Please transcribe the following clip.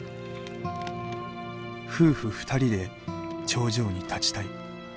「夫婦２人で頂上に立ちたい」。